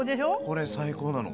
これ最高なの。